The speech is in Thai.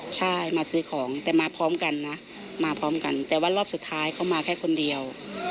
ใช่มาซื้อของแต่มาพร้อมกันนะมาพร้อมกันแต่ว่ารอบสุดท้ายเขามาแค่คนเดียว